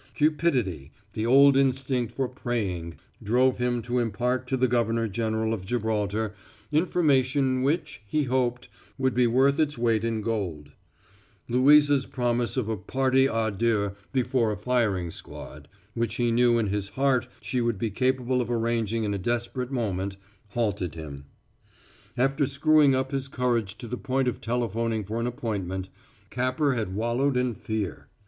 Cupidity, the old instinct for preying, drove him to impart to the governor general of Gibraltar information which, he hoped, would be worth its weight in gold; Louisa's promise of a party à deux before a firing squad, which he knew in his heart she would be capable of arranging in a desperate moment, halted him. After screwing up his courage to the point of telephoning for an appointment, Capper had wallowed in fear.